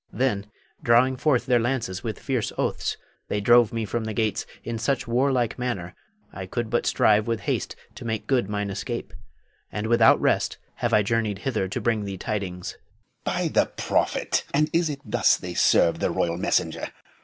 Then, drawing forth their lances with fierce oaths, they drove me from the gates in such warlike manner, I could but strive with haste to make good mine escape, and without rest have I journeyed hither to bring thee tidings. Moh'd. By the prophet! and is it thus they serve the royal messenger.